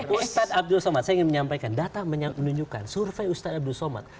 ustadz abdul somad saya ingin menyampaikan data menunjukkan survei ustadz abdul somad